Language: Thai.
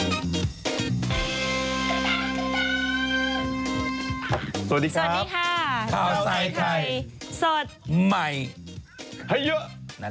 สวัสดีครับสวัสดีค่ะข้าวใส่ไทยสดใหม่ให้เยอะนั่นแหละ